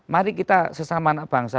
mari kita sesama anak bangsa